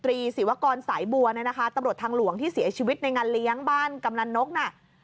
ศิวกรสายบัวเนี่ยนะคะตำรวจทางหลวงที่เสียชีวิตในงานเลี้ยงบ้านกำนันนกน่ะ